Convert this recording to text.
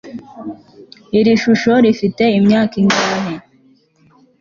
iri shusho rifite imyaka ingahe